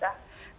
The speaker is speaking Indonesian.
biasa budaya kita